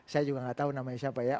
saya juga nggak tahu namanya siapa ya